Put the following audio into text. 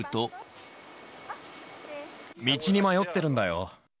道に迷ってるんだよ。